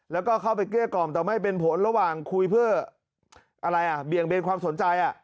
แล้วก็เข้าไปเกลี้ยกล่อมแต่ไม่เป็นผลระหว่างคุยเพื่ออะไรอ่ะเบี่ยงเบนความสนใจ